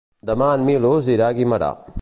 Demà en Milos irà a Guimerà.